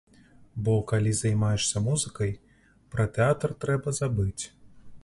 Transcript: Бо калі займаешся музыкай, пра тэатр трэба забыць.